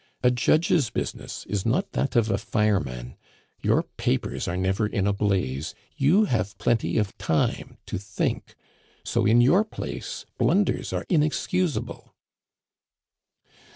A judge's business is not that of a fireman; your papers are never in a blaze, you have plenty of time to think; so in your place blunders are inexcusable."